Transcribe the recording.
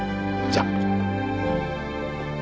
じゃあ。